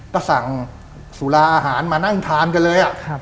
ก็สั่งสุราอาหารมานั่งทานกันเลย